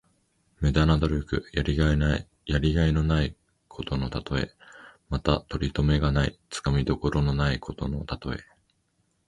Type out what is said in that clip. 無駄な努力。やりがいのないことのたとえ。また、とりとめがない、つかみどころがないことのたとえ。